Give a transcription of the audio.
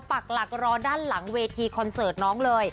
ปักหลักรอด้านหลังเวทีคอนเสิร์ตน้องเลย